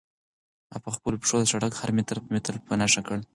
هغه په خپلو پښو د سړک هر متر په نښه کړی و.